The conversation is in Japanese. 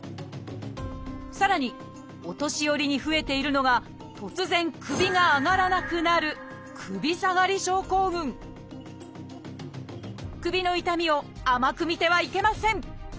さらにお年寄りに増えているのが突然首が上がらなくなる首の痛みを甘く見てはいけません。